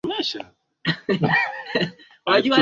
ingia katika dirisha la mipangilio ya redio hiyo